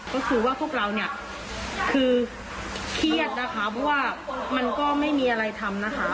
ก็คือว่าพวกเราเนี่ยคือเครียดนะคะเพราะว่ามันก็ไม่มีอะไรทำนะคะ